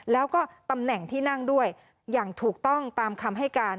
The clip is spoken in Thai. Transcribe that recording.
แล้วก็ตำแหน่งที่นั่งด้วยอย่างถูกต้องตามคำให้การ